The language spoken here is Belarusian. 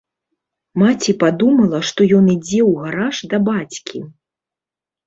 Маці падумала, што ён ідзе ў гараж да бацькі.